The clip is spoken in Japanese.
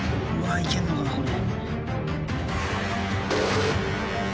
いけんのかなこれ。